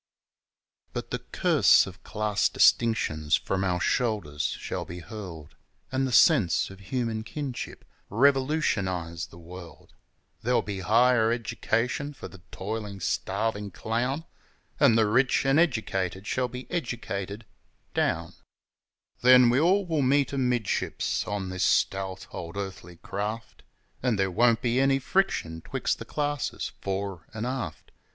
But the curse of class distinctions from our shoulders shall be hurled, An' the sense of Human Kinship revolutionize the world; There'll be higher education for the toilin' starvin' clown, An' the rich an' educated shall be educated down ; Then we all will meet amidships on this stout old earthly craft, An' there won't be any friction 'twixt the classes fore 'n' aft.